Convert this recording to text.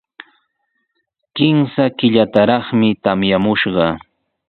Kimsa killataraqmi tamyamushqa.